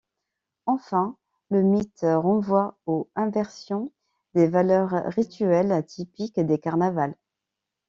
Enfin, le mythe renvoie aux inversions des valeurs rituelles, typiques des carnavals.